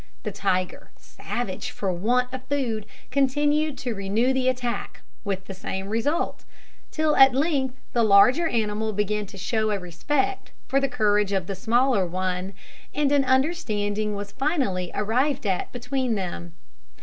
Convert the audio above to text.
The tiger, savage for want of food, continued to renew the attack, with the same result; till at length the larger animal began to show a respect for the courage of the smaller one, and an understanding was finally arrived at between them.